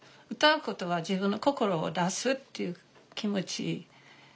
歌うことは自分の心を出すっていう気持ち。